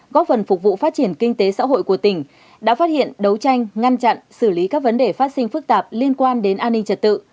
góp phần phục vụ phát triển kinh tế xã hội của tỉnh đã phát hiện đấu tranh ngăn chặn xử lý các vấn đề phát sinh phức tạp liên quan đến an ninh trật tự